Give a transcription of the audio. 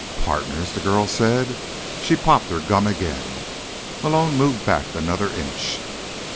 "Partners?" the girl said. She popped her gum again. Malone moved back another inch.